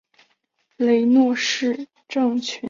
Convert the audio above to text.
雷诺氏症候群的发作可能被寒冷或是情绪压力所诱发。